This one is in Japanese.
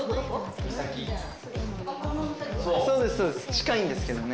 近いんですけどね。